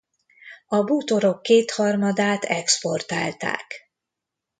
A bútorok kétharmadát exportálták.